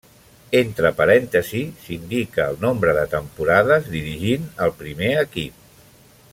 Entre parèntesis s'indica el nombre de temporades dirigint el primer equip.